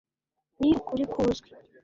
Ni ukuri kuzwi